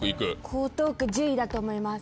江東区１０位だと思います。